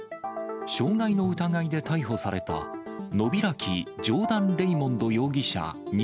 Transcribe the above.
傷害の疑いで逮捕された、野開・ジョーダン・レイモンド容疑者